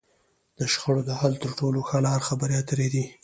د شخړو د حل تر ټولو ښه لار؛ خبرې اترې دي.